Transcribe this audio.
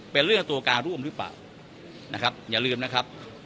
เป็นเรื่องตัวการร่วมหรือเปล่านะครับอย่าลืมนะครับ